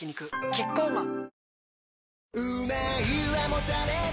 キッコーマン